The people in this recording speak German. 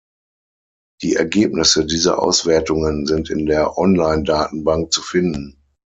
Die Ergebnisse dieser Auswertungen sind in der Online-Datenbank zu finden.